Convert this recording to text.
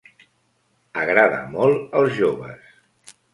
Agrada molt als joves.